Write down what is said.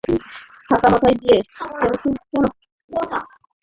ছাতা মাথায় দিয়ে সেলফি তুলতে গিয়ে পানি ঢুকে নষ্ট হয়ে গেল ফোনটাই।